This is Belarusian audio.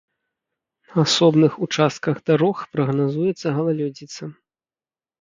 На асобных участках дарог прагназуецца галалёдзіца.